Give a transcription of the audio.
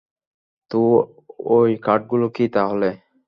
তো ঐ কার্ডগুলো কী তাহলে?